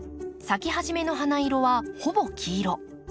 咲き始めの花色はほぼ黄色。